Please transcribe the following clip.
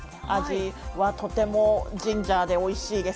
味は、とてもジンジャーでおいしいです。